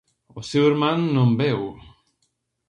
O seu irmán non veu...